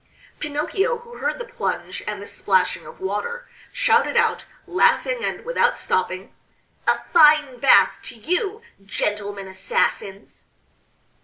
Pinocchio who heard the plunge and the splashing of water, shouted out, laughing and without stopping: "A fine bath to you, gentlemen assassins."